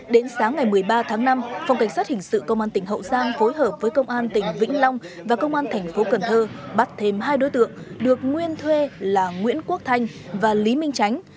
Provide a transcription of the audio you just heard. đến sáng ngày một mươi ba tháng năm phòng cảnh sát hình sự công an tỉnh hậu giang phối hợp với công an tỉnh vĩnh long và công an thành phố cần thơ bắt thêm hai đối tượng được nguyên thuê là nguyễn quốc thanh và lý minh tránh